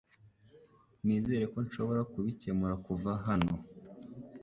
Nizera ko nshobora kubikemura kuva hano .